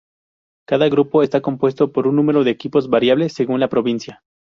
Cada grupo está compuesto por un número de equipos variable, según la provincia.